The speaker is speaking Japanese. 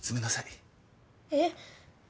えっ？